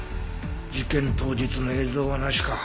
事件当日の映像はなしか。